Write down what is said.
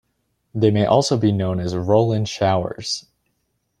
They may also be known as "roll-in showers".